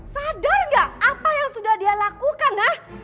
sadar gak apa yang sudah dia lakukan nak